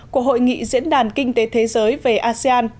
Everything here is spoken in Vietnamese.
của hội nghị diễn đàn kinh tế thế giới về an ninh